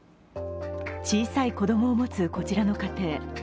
小さい子供を持つこちらの家庭。